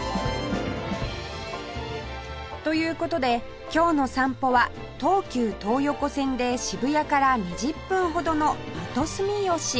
という事で今日の散歩は東急東横線で渋谷から２０分ほどの元住吉